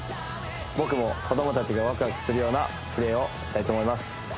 僕も子どもたちがワクワクするようなプレーをしたいと思います